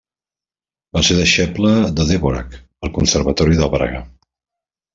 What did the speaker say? Va ser deixeble de Dvořák al Conservatori de Praga.